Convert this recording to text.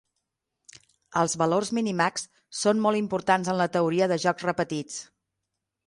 Els valors minimax són molt importants en la teoria de jocs repetits.